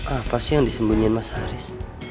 apa sih yang disembunyiin mas haris